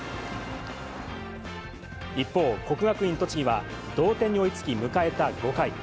一方、国学院栃木は、同点に追いつき、迎えた５回。